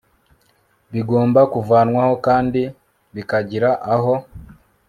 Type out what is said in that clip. bigomba kuvanwaho kandi bikagira aho